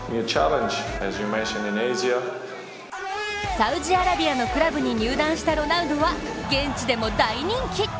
サウジアラビアのクラブに入団したロナウドは現地でも大人気！